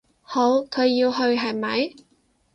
好，佢要去，係咪？